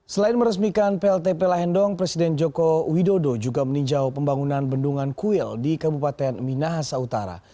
selain meresmikan plt pelahendong presiden joko widodo juga meninjau pembangunan bendungan kuil di kabupaten minahasa utara